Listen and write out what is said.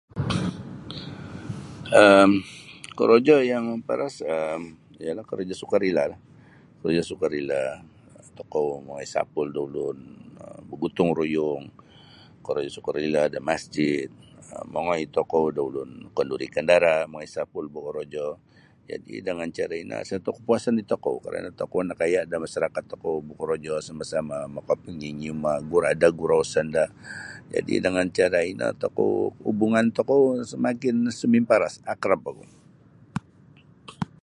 um Korojo yang maparas um ialah korojo sukarela lah korojo sukarela tokou mongoi sapul da ulun bagutung ruyung korojo sukarela da masjid um mongoi tokou da ulun kenduri kendara mongoi sapul bakorojo jadi jangan korojo ini satu kapuasan da tokou karana tokou nakaya da masyarakat tokou bokorojo sama-sama maka niniuma ada gurau senda jadi jangan cara ino tokou hubungan tokou semakin samimparas akrab ogu.